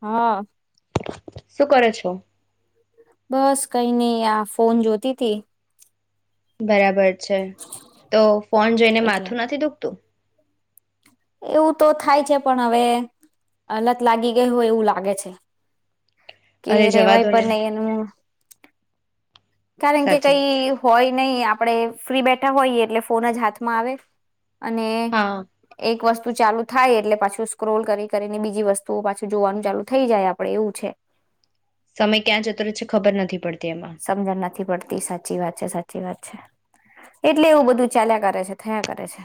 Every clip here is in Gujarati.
હા. શું કરે છો? બસ કઈ નઈ આ ફોન જોતી તી. બરાબર. બબર છે તો ફોન જોઈને એટલે માથું નથી દુખતું એવું તો થાય છે પણ હવે અલત લાગી ગય હોય એવું લાગે છે. કે અરે જવા દો રેવાય ને પણ નહી એનું કારણ કે સાચી કઈ વાત છે. હોય નહી આપડે ફ્રી બેઠા હોઈ એટલે ફોન જ હાથમાં આવે. અને હા એક વસ્તુ તુ ચાલુ થાય એટલે પાછું સ્ક્રોલ કરી કરીને બીજી વસ્તુઓ પાછું જોવાનું ચાલુ થઈ જાય આપડે એવું છે. સમય ક્યાં જતો રે છે ખબર નથી પડ સમજણ નથી પડતી, સાચી વાત છે, સાચી વાત છે, એટલે એવું બધું ચાલ્યા કરે છે, થયા કરે છે.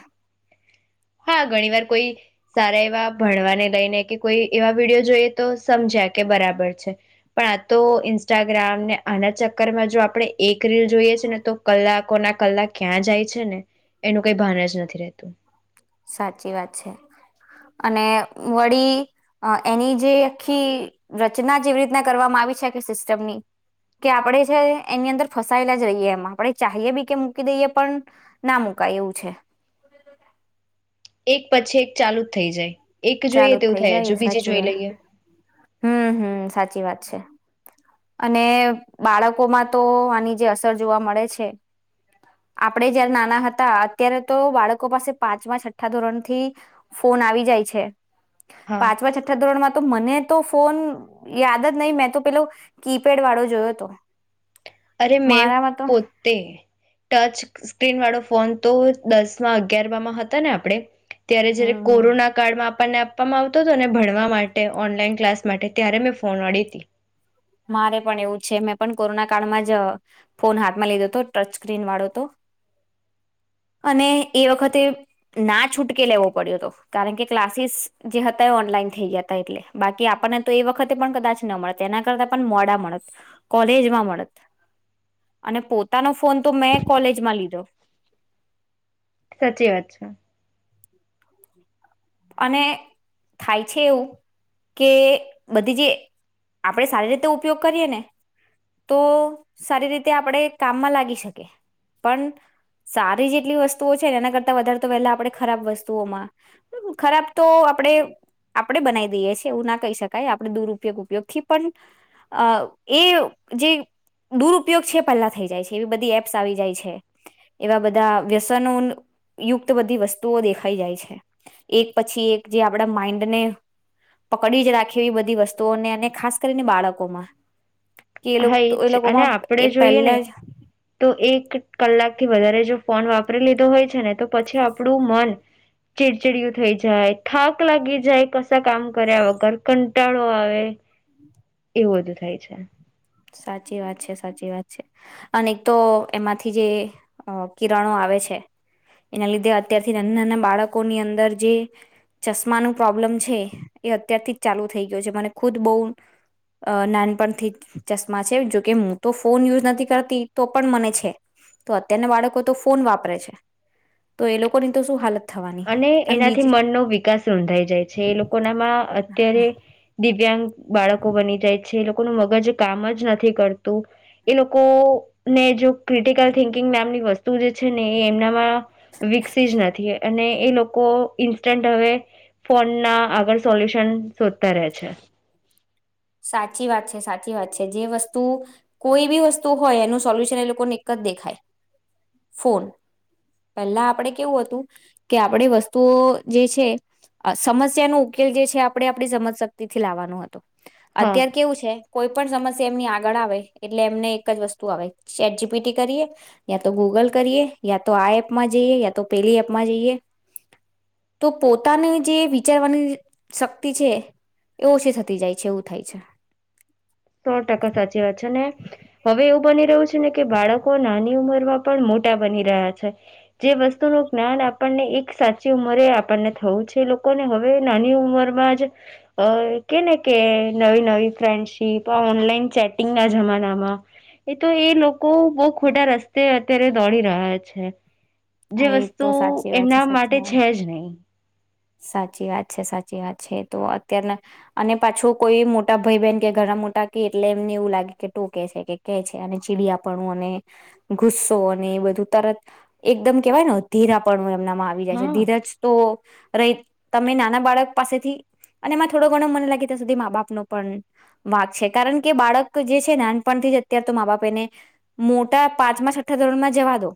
હા, ઘણી વાર કોઈ સારા એવા ભણવાને લઈને કે કોઈ એવા વિડીયો જોઈએ તો સમજ્યા કે બરાબર છે, પણ આ તો ઇન્સ્ટાગ્રામ ને આના ચક્કરમાં જો આપણે એક રીલ જોઈએ છે ને તો કલાકો ના કલાક ક્યાં જાય છે ને એનું કંઈ ભાન જ નથી રહેતું. સાચી વાત છે અને વળી એની જે આખી રચના જ એવી રીતના કરવામાં આવી છે કે સિસ્ટમની કે આપડે છે ને એની અંદર ફસાયેલા જ રહીએ એમા, આપડે ચાહીએ બી કે મૂકી દઈએ પણ ના મુૂકાય એવું છે. એક પછી એક ચાલુ જ થઈ જાય એક જોઈએ ચાલુ તેવું થઇ થાય જાય હજુ એ બીજી સાચી જોઈ વાત, લઈએ. હમ્મ, હમ્મ, સાચી વાત. છે અને બાળકોમાં તો આની જે અસર જોવા મળે છે, આપડે જયારે નાના હતા અત્યારે તો બાળકો પાસે પાંચમા છઠ્ઠા ધોરણથી ફોન આવી જાય છે. હા પાંચમા છઠ્ઠા ધોરણમાં તો મને તો ફોન યાદ જ નઈ, મેં તો પેલો કીપેડ વાળો જોયો તો. અરે મેં મારામાં પોતે ટચ સ્ક્રીનવાળો ફોન તો દસમાં અગિયારમાં માં હતા ને આપડે ત્યારે હમ જ્યારે હમ કોરોના કાળમાં આપણને આપવામાં આવતો તો ને ભણવા માટે ઓનલાઈન ક્લાસ માટે, ત્યારે મેં ફોન અડી તી. મારે પણ એવું છે મેં પણ કોરોના કાળમાં જ ફોન હાથમાં લીધો તો ટચ સ્ક્રીન વાળો તો અને એ વખતે ના છૂટકે લેવો પડ્યો તો, કારણ કે ક્લાસીસ જે હતા એ ઓનલાઈન થઈ ગયા તા એટલે, બાકી આપણને તો એ વખતે પણ કદાચ ન મળત એના [unintelligible] તા પન મોડા મળત, કોલેજમાં મળત અને પોતાનો ફોન તો મેં કોલેજમાં લીધો. સાચી વાત છે. અને થાય છે એવું કે બધી જે આપણે સારી રીતે ઉપયોગ કરીએ ને તો સારી રીતે આપણે કામમાં લાગી શકીએ, પણ સારી જેટલી વસ્તુઓ છેને એના કરતા વધારે તો પહેલા આપણે ખરાબ વસ્તુઓમાં ખરાબ તો આપડે આપડે બનાઈ દઈએ છીએ એવું ના કહી શકાય, આપડે દુરુપયોગ ઉપયોગથી પન અ એ જે દુરુપયોગ છે એ પેલ્લા થઈ જાય છે, એવી બધી એપ્સ આવી જાય છે, એવા બધા વ્યસનો યુક્ત બધી વસ્તુઓ દેખાઈ જાય છે. એક પછી એક જે આપણા માઈન્ડને પકડી જ રાખે એવી બધી વસ્તુઓને અને ખાસ કરીને બાળકોમાં કે હા, એ જ છે અને લોકોમાં આપડે એ જોઈએ ને પહેલા જ તો એક કલાકથી વધારે જો ફોન વાપરી લીધો હોય છે ને તો પછી આપડુ મન ચીડચીડયું થઈ જાય, થાક લાગી જાય, કશા કામ કર્યા વગર કંટાળો આવે એવું બધું થાય છે. સાચી વાત છે, સાચી વાત છે અને એક તો એમાંથી જે અ કિરણો આવે છે, એના લીધે અત્યારથી નાના નાના બાળકોની અંદર જે ચશ્માનું પ્રોબ્લમ છે એ અત્યારથી જ ચાલુ થઈ ગયું છે, મને ખુદ બહુ નાનપણથી જ ચશ્મા છે, જોકે હું તો ફોન યુઝ નથી કરતી તો પણ મને છે, તો અત્યારના બાળકો તો ફોન વાપરે છે, તો એ લોકોની તો શું હાલત થવાની અને એનાથી બીજી મનનો વિકાસ રૂંધાઈ જાય છે, એ લોકોનામાં અત્યારે દિવ્યાંગ બાળકો બની જાય છે, એ લોકોનું મગજ કામ જ નથી કરતું, એ લોકો ને જો ક્રિટિકલ થિંકિંગ મેમની વસ્તુ જે છે ને એ એમનામાં વિકસી જ નથી, એ અને એ લોકો ઇન્સ્ટન્ટ અવે ફોનના આગળ સોલ્યુશન શોધતા રહે છે. સાચી વાત છે, સાચી વાત છે, જે વસ્તુ કોઈ બી વસ્તુ હોય એનું સોલ્યુશન એ લોકોને એક જ દેખાય ફોન પેલ્લા આપડે કેવું હતું કે આપડે વસ્તુઓ જે છે સમસ્યાનો ઉકેલ જે છે આપડે આપડી સમજ શક્તિથી લાવવાનો હતો. હા અત્યાર કેવું છે કોઈ પણ સમસ્ સ્યા એમની આગળ આવે એટલે એમને એક જ વસ્તુ આવે ચેટ જીપીટી કરીએ, યા તો ગૂગલ કરીએ, યા તો આ એપમાં જઈએ, યા તો પેલી એપમાં જઈએ, તો પોતાની જે વિચારવાની શક્તિ છે એ ઓછી થતી જાય છે એવુ થાય છે. સો ટકા સાચી વાત છે ને હવે એવું બની રહ્યું છે ને કે બાળકો નાની ઉંમરમાં પણ મોટા બની રહ્યા છે, જે વસ્તુનું જ્ઞાન આપણને એક સાચી ઉંમરે આપણને થવું છે એ લોકોને હવે નાની ઉંમરમાં જ અ કે ને કે નવી નવી ફ્રેન્ડશી [unintelligible] પણ ઓનલાઈન ચેટિંગના જમાનામાં, એ તો એ લોકો બો ખોટા રસ્તે અત્યારે દોડી રહ્યા છે. જે હા એ વસ્તુ તો સાચી વાત છે એમના માટે સાચી વાત છે જ નહી. સાચી વાત છે, સાચી વાત છે, તો અત્યારના અને પાછું કોઈ મોટા ભઈ બેન કે ઘણા મોટા કે એટલે એમને એવું લાગે કે ટોકે છે કે કે છે અને ચીડિયાપણું અને ગુસ્સો અને એ બધું તરત એકદમ કેવાય ને અધીરાપણું એમ એમનામાં આવી જાય છે, હા ધીરજ તો રે તમે નાના બાળક પાસેથી અને એમાં થોડો ઘણો મને લાગે ત્યાં સુધી મા- બાપનો પણ વાક છે, કારણ કે બાળક જે છે નાનપણથી જ અત્યાર તો મા- બાપ એને મોટા પાંચમા, છઠ્ઠા ધોરણમાં જવા દો,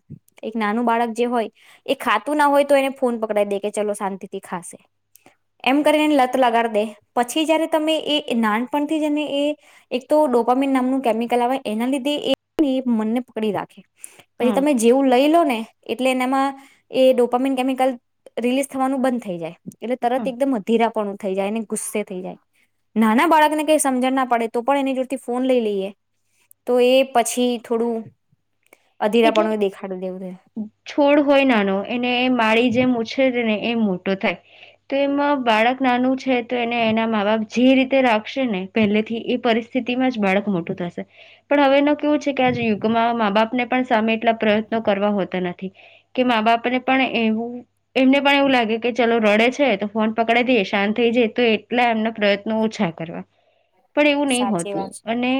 એક નાનું બાળક જે હોય એ ખાતું ના હોય તો એને ફોન પકડાઈ દે કે ચલો શાંતિ એ ખાશે એમ કરીને લત લગાડ દે પછી જયારે તમે એ નાનપણથી જને એ એક તો ડોપામીન નામનું કેમિકલ આવે એના લીધે એ મનને પકડી રાખે પછી હા તમે જેવું લઈ લો ને એટલે એનામાં એ ડોપામીન કેમિકલ રિલીઝ થવાનું બંધ થ થઈ જાય એટલે તરત હા એકદમ અધીરા પણ થઈ જાયને ગુસ્સે થઈ જાય નાના બાળકને કઈ સમજણ ના પડે તો પણ એની જોડથી ફોન લઈ લઈએ તો એ પછી થોડું એટલે અધીરાપણું દેખાડી દેવું છે છોડ હોય નાનો એને માડી જેમ ઉછેરે ને એ મોટો થાય તો એમાં બાળક નાનું છે તો એને એના મા બાપ જે રીતે રાખશે ને પહેલેથી એ પરિસ્થિતિમાં જ બાળક મોટું થશે પણ હવે એનો કેવું છે કે આ યુગમાં મા બાપને પણ સામે એટલા પ્રયત્નો કરવા હોતા નથી કે મા બાપને પણ એવું એમને પણ એવું લાગે કે ચલો રડે છે તો ફોન પકડાઈ દઈએ શાંત થઈ જાય તો એટલા એમના પ્રયત્નો ઓછા કરવા પણ એવું નહી સાચી હોતું વાત છે. અને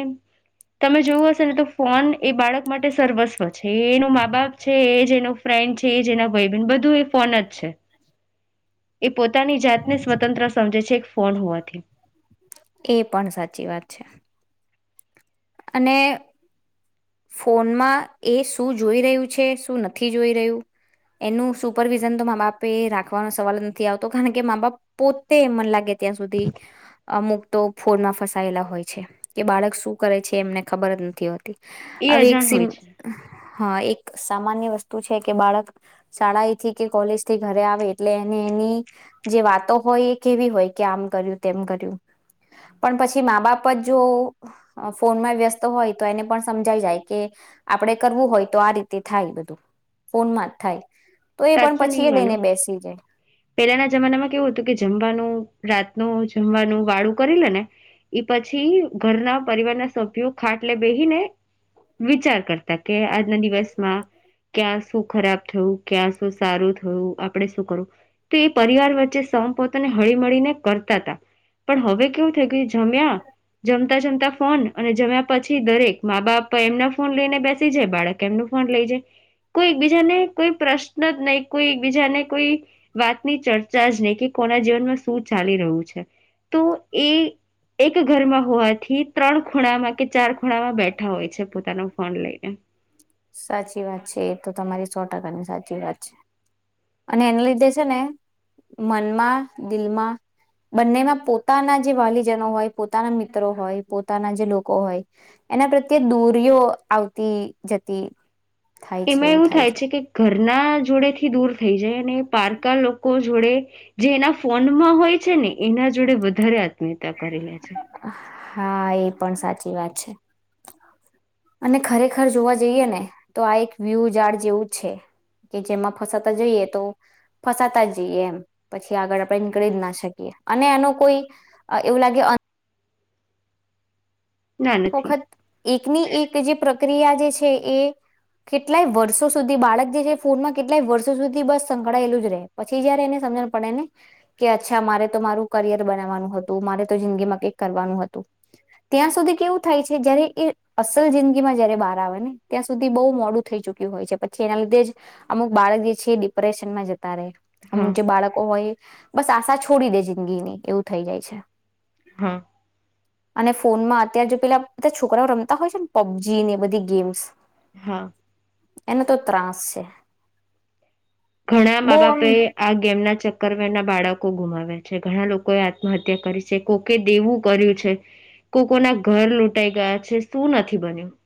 તમે જોવું હશે ને તો ફોન એ બાળક માટે સર્વસ્થ જે એનો મા બાપ છે એ જે એનો ફ્રેન્ડ જેના ભય બીન બધું એ ફોન જ છે પોતાની જાતને સ્વતંત્ર સમજે છે ફોન હવાથી એ પણ સાચી વાત છે અને ફોનમાં એ શું જોઈ રહ્યું છે શું નથી જોઈ રહ્યું એનું સુપરવિઝન તો મા બાપે રાખવાનો સવાલ નથી આવતો કારણ કે મા બાપ પોતે મન લાગે ત્યાં સુધી અમુક તો ફોનમાં ફસાયેલા હોય છે કે બાળક શું કરે છે એમને ખબર જ નથી હોતી એ હવે એક અજાણ હોય સિમ છે હા એક સામાન્ય વસ્તુ છે કે બાળક શાળાથી કે કોલેજ થી ઘરે આવે એટલે એને એની જે વાતો હોય એ કેવી હોય કે આમ કર્યું તેમ કર્યું પણ પછી મા બાપ જ જો ફોનમાં વ્યસ્ત હોય તો એને પણ સમજાઈ જાય કે આપણે કરવું હોય તો આ રીતે થાય બધું ફોનમાં જ થાય તો એ પણ સાચું પછી નહ એ લઈને માનું બેસી જાય પેલા ના જમાનામાં કેવું હતું કે જમવાનું રાતનું જમવાનું વાળું કરી લે ને એ પછી ઘરના પરિવારના સભ્યો ખાટલે બેહીને વિચાર કરતા કે આજના દિવસમાં ક્યાં શું ખરાબ થયું ક્યાં શું સારું થયું આપડે શું કરવું તો એ પરિવાર વચ્ચે સ પોતાને હળી મળળીને કરતા હતા પણ હવે કેવું થઈ ગયું જમ્યા જમતા જમતા ફોન અને જમ્યા પછી દરેક મા બાપ એમના ફોન લઈને બેસ બાળક એમનું ફોન લઈ જાય કોઈ બીજાને કોઈ પ્રશ્ન જ ન કોઈ એકબીજાને કોઈ વાતની ચર્ચા જ નહીં કે કોના જીવનમાં શું ચાલી રહ્યું છે તો એ એક ઘરમાં હોવા થી ત્રણ ખૂણામાં કે ચાર ખૂણામાં બેઠા હોય છે પોતાનો ફોન લઈને સાચી વાત છે એ તો તમારી સો ટકાની સાચી વાત છે અને એને લીધે છે, ને મનમાં, દિલમાં બંનેમાં પોતાના જે વાલીજનો હોય પોતાના મિત્રો હોય પોતાના જે લોકો હોય એના પ્રત્યે દૂરીઓ આવતી જતી એમાં એવું થાય છે કે ઘરના જોડે થી દૂર થઈ જાય અને પારકા લોકો જોડે જે એના ફોનમાં હોય છે ને એના જોડે વધારે આત્મીયતા કરે લે છે હા એ પણ સાચી વાત છે અને ખરેખર જોવા જઈએ ને તો આ એક વ્યૂ ાર્ડ જેવું છે કે જેમાં ફસાતા જઈએ તો ફસાતા જ જઈએ એમ પછી આગળ આપણે નીકળી જ ના શકીએ અને એનું કોઈ એવું લાગે અનેક ના એક નથી વખત એક, [inaudible] [inaudible] એકની એક જે પ્રક્રિયા જે છે એ કેટલાય વર્ષો સુધી બાળક જે છે ફોનમાં કેટલાય વર્ષો સુધી બસ સંકળાયેલું જ રહે, પછી જયારે એને સમજણ પડે ને કે, અચ્છા મારે તો મારુ કરિયર બનાવવાનું હતું, મારે તો જિંદગીમાં કઈક કરવાનું હતું. ત્યાં સુધી કેવું થાય છે? જયારે એ અસલ જિંદગી માં જયારે બહાર આવે ને, ત્યાં સુધી બહુ મોડું થઈ ચુક્યું હોય છે. પછી એના લીધે જ અમુક બાળક જે છે, એ ડિપ્રેશનમાં જ ત્યારે હા અમુક જે બાળકો હોય બસ આશા છોડી દે જિંદગીની એવું થઈ જાય છે. હા! અને ફોનમાં ત્યાં જો પેલા બધા છોકરાઓ રમતા હોય છે ને, પબજી ને એ બધી ગેમ્સ હા! એનો તો ત્રાસ છે. ઘણા મા, બહુ આમ બાપે આ ગેમ ના ચક કવે [inaudible] ના બાળકો ગુમાવ્યા છે. ઘણા લોકોએ આત્મહ્યા કરી છે. કોકે દેવું કર્યું છે, કો કોના ઘર લૂંટાઈ ગયા છે, શું નથી બન્યું? [unintelligible]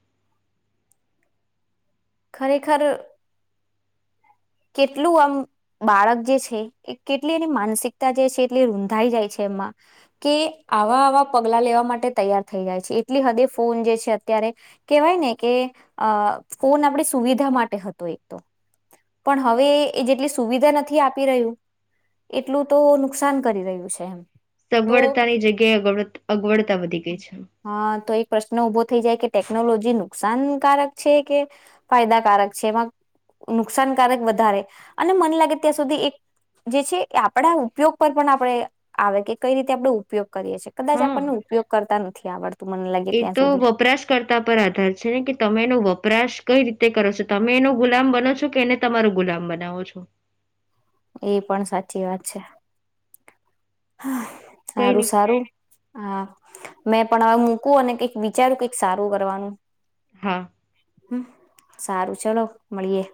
ખરેખર! કેટલું આમ બાળક જે છે, એ કેટલી એની માનસિકતા જે છે એટલી રૂંધાઈ જાય છે. એમાં કે આવા આવા પગલા લેવા માટે તૈયાર થઈ જાય છે. એટલી હદે ફોન જે છે, અત્યારે કેહેવાય ને કે અ ફોન આપણી સુવિધા માટે હતો એક તો પણ, હવે એ જેટલી સુવિધા નથી આપી રહ્યું, એટલું તો નુકસાન કરી રહ્યું છે. તો સગવડતાની જગ્યાએ અગવડતા વધી ગઈ છે. હા તો એક પ્રશ્ન ઉભો થઈ જાય કે, ટેકનોલોજી નુકસાનકારક છે કે, ફાયદાકારક છે એમાં નુકસાન નુકસાન વધારે, અને મને લાગે ત્યાં સુધી એક જે છે આપણા ઉપયોગ પર પણ આપણે આવે, કે કઈ રીતે આપણે ઉપયોગ કરીએ છીએ, કદાચ હા આપણને ઉપયોગ કરતા નથી આવડતો. એ તો વપરાશકર્તા પર આધાર છે ને, કે તમે એનો વપરાશ. કઈ રીતે કરો છો? તમે એનો ગુલામ બનો છો? કે એને તમારો ગુલામ બનાવો છો.? એ પણ સાચી વાત છે. કઈ સારું નહી સારું હા. મેં પણ હવે મૂકું અને કઈક વિચારુ કંઈક સારું કરવાનું. હા. ! હમ! સારું ચલો મળીએે.